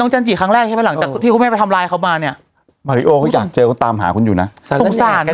แล้วพอมีครั้งหน้าที่ไปหลังที่ไม่ทำลายเขามาเนี่ยบาลิโออยากเจอตามหาคุณอยู่นะ